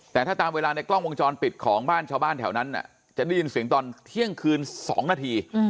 แต่ถ้าตามเวลาในกล้องวงจรปิดของบ้านชาวบ้านแถวนั้นจะได้ยินเสียงตอนเที่ยงคืน๒นาที